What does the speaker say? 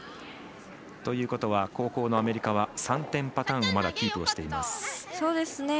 ということは後攻のアメリカは３点パターンをまだキープしています。